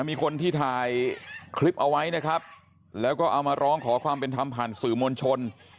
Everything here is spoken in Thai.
มีคนที่ถ่ายคลิปเอาไว้นะครับแล้วก็เอามาร้องขอความเป็นธรรมผ่านสื่อมวลชน